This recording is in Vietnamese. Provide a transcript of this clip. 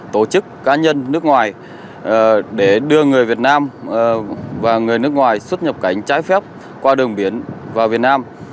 tổ chức cá nhân nước ngoài để đưa người việt nam và người nước ngoài xuất nhập cảnh trái phép qua đường biển vào việt nam